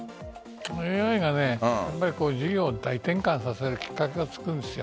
ＡＩが事業を大転換させるきっかけを作るんですよ。